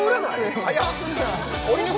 早っ！